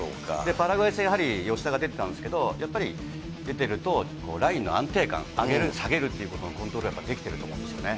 パラグアイ戦は吉田が出てたんですけど、出ていると、ラインの安定感、上げる、下げるというところのコントロールできてると思うんですよね。